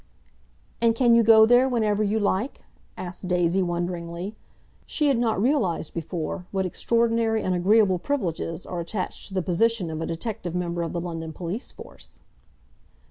"And can you go there whenever you like?" asked Daisy wonderingly. She had not realised before what extraordinary and agreeable privileges are attached to the position of a detective member of the London Police Force.